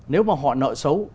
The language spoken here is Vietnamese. nếu mà họ nợ xấu